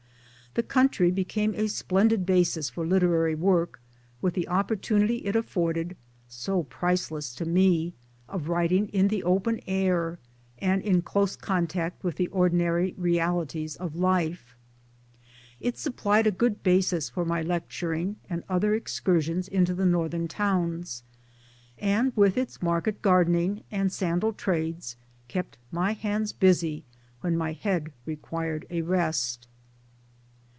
The country became a splendid basis for literary work, with the oppor tunity it afforded (so priceless to me) of writing in the open air and in close contact with the ordinary realities of life ; it supplied a good basis for my lecturing and other excursions into the Northern Towns ; and with its market gardening and sandal trades kept my hands busy when my head required a rest.